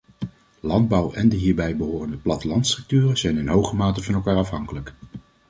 Landbouw en de hierbij behorende plattelandsstructuren zijn in hoge mate van elkaar afhankelijk.